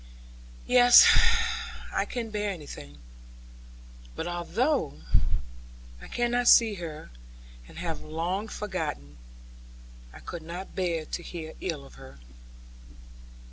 'Yes, I can bear anything. But although I cannot see her, and have long forgotten, I could not bear to hear ill of her.'